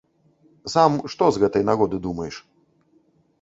Сам што з гэтай нагоды думаеш?